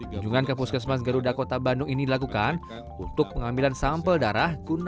kunjungan kepuskesmas garuda kota bandung ini dilakukan untuk pengambilan sampel darah gunakan